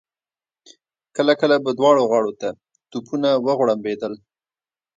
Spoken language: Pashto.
کله کله به دواړو غاړو ته توپونه وغړمبېدل.